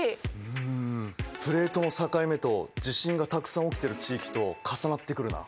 うんプレートの境目と地震がたくさん起きてる地域と重なってくるな。